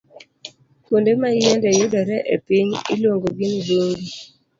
Kuonde ma yiende yudore e piny, iluongogi ni bunge